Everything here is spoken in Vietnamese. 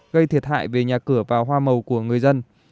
gây thiệt hại về nhà cửa và hoa màu của người dân